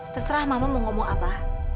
terserah mama mau ngomong apa